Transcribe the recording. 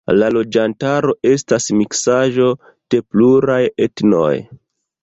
La loĝantaro estas miksaĵo de pluraj etnoj.